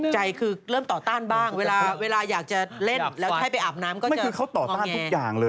ใจเริ่มต่อต้านบ้างเวลาอยากจะเล่นแล้วให้อาบน้ำ